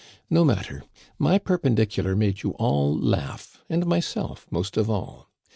No matter, my perpendicular made you all laugh and myself most of all.